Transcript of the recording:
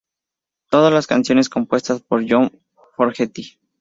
Todas las canciones compuestas por John Fogerty.